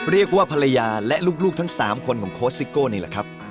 เรียกว่าภรรยาและลูกทั้ง๓คนของโค้ชซิโก้นี่แหละครับ